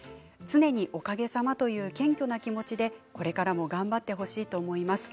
常に、おかげさまという謙虚な気持ちでこれからも頑張ってほしいと思います。